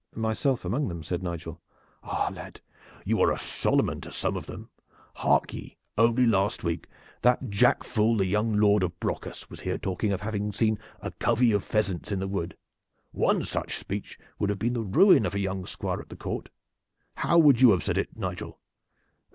"Myself among them," said Nigel. "Ah, lad, you are a Solomon to some of them. Hark ye! only last week that jack fool, the young Lord of Brocas, was here talking of having seen a covey of pheasants in the wood. One such speech would have been the ruin of a young Squire at the court. How would you have said it, Nigel?"